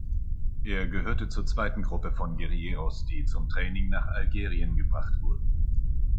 Er gehörte zur zweiten Gruppe von Guerilleros, die zum Training nach Algerien gebracht wurden.